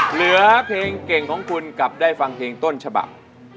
เหลือเพลงเก่งของคุณกลับได้ฟังเพลงต้นฉบับ